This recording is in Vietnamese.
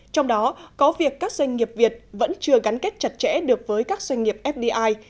trong đó có việc các doanh nghiệp việt vẫn chưa gắn kết chặt chẽ được với các doanh nghiệp fdi